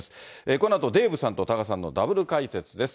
このあとデーブさんと多賀さんのダブル解説です。